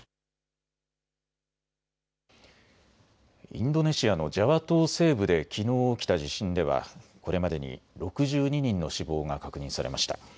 インドネシアのジャワ島西部できのう起きた地震ではこれまでに６２人の死亡が確認されました。